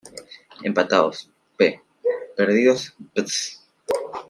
Empatados, P. Perdidos, Pts.